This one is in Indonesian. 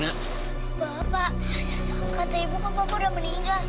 bapak kata ibu kan bapak udah meninggal